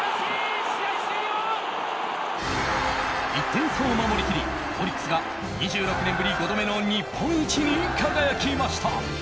１点差を守り切りオリックスが２６年ぶり５度目の日本一に輝きました。